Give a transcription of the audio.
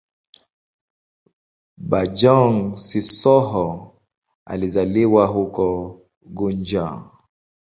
Bojang-Sissoho alizaliwa huko Gunjur.